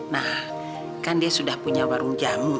nah kan dia sudah punya warung jamu